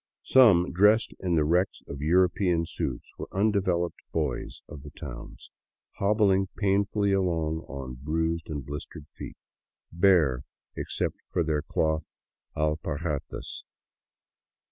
Some, dressed in the wrecks of " European " suits, were undeveloped boys of the towns, hobbling painfully along on bruised and blistered feet, bare except for their cloth alpargatas.